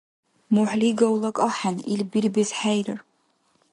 МухӀли гавлаг ахӀен, ил бирбес хӀейрар.